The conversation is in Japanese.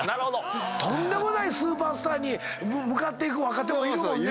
とんでもないスーパースターに向かっていく若手もいるもんね。